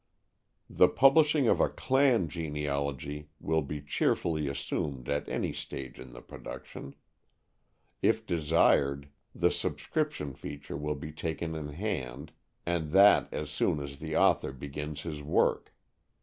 The publishing of a "clan" genealogy will be cheerfully assumed at any stage in the production. If desired, the "subscription" feature will be taken in hand, and that as soon as the author begins his work.